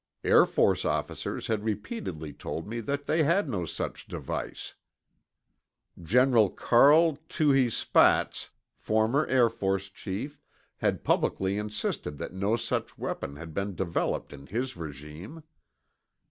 Air Force officers had repeatedly told me they had no such device. General Carl Touhy Spaatz, former Air Force chief, had publicly insisted that no such weapon had been developed in his regime.